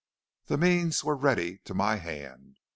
"The means were ready to my hand.